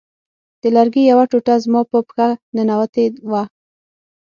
د لرګي یوه ټوټه زما په پښه ننوتې وه